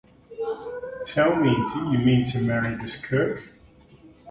Tell me, do you mean to marry this Cook?